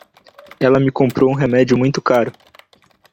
Ela me comprou um remédio muito caro.